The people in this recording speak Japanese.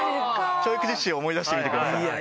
教育実習、思い出してみてください。